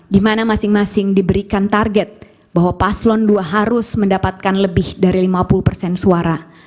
di mana masing masing diberikan target bahwa paslon dua harus mendapatkan lebih dari lima puluh persen suara